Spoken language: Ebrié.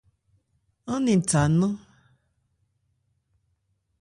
Án 'nɛn tha nnán.